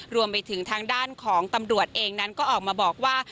รวมไปถึงทางด้านของตำรวจเองนั้นก็ออกมาบอกว่า